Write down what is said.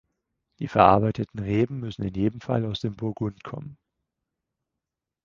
Die verarbeiteten Reben müssen in jedem Fall aus dem Burgund kommen.